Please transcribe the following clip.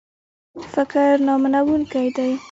فکر نامنونکی وي.